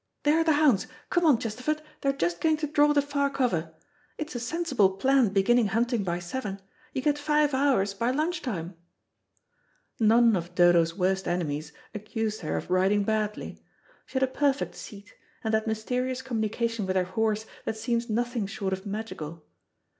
There are the hounds. Come on, Chesterford, they're just going to draw the far cover. It is a sensible plan beginning hunting by seven. You get five hours by lunch time." None of Dodo's worst enemies accused her of riding badly. She had a perfect seat, and that mysterious communication with her horse that seems nothing short of magical.